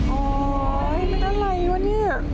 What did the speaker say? โอ๊ยไม่ได้อะไรว่ะนี่